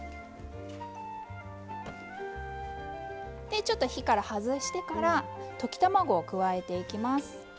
ちょっと火から外してから溶き卵を加えていきます。